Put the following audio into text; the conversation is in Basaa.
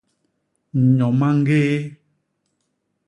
Nyo mañgéé.